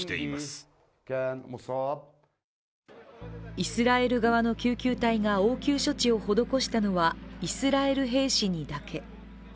イスラエル側の救急隊が応急処置を施したのはイスラエル兵士にだけ。